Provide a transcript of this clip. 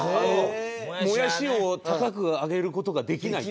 もやしを高く上げる事ができないと。